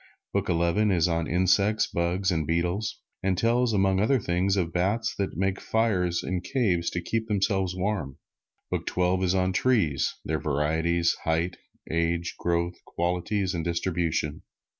Book Eleven is on insects, bugs and beetles, and tells, among other things, of bats that make fires in caves to keep themselves warm. Book Twelve is on trees, their varieties, height, age, growth, qualities and distribution.